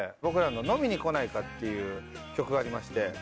僕らの『飲みに来ないか』っていう曲がありまして。